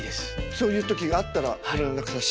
そういう時があったら連絡させて。